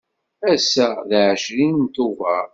Ass-a d ɛecrin Tubeṛ.